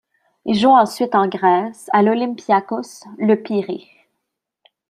Il joue ensuite en Grèce à l'Olympiakos Le Pirée.